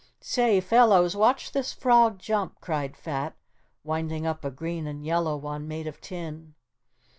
"Say, fellows, watch this frog jump," cried Fat, winding up a green and yellow one made of tin.